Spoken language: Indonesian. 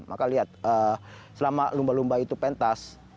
maka lihat selama lumba lumba itu pentas